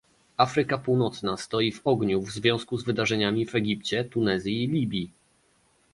Afryka Północna stoi w ogniu w związku z wydarzeniami w Egipcie, Tunezji i Libii